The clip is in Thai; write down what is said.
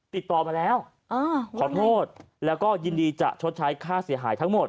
ติดต่อมาแล้วขอโทษแล้วก็ยินดีจะชดใช้ค่าเสียหายทั้งหมด